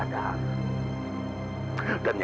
ad eqe an ini sendiri sepertinya